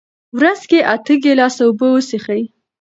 ورځ کې اته ګیلاسه اوبه وڅښئ.